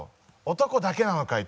男だけなのかい？